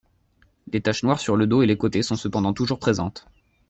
Les taches noires sur le dos et les côtés sont cependant toujours présentes.